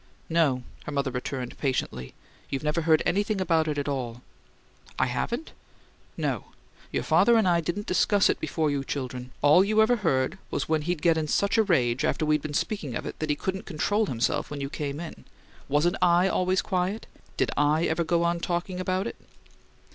"No," her mother returned patiently. "You've never heard anything about it at all." "I haven't?" "No. Your father and I didn't discuss it before you children. All you ever heard was when he'd get in such a rage, after we'd been speaking of it, that he couldn't control himself when you came in. Wasn't I always quiet? Did I ever go on talking about it?"